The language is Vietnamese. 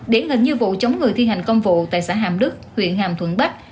điển hình như vụ chống người thi hành công vụ tại xã hàm đức huyện hàm thuận bắc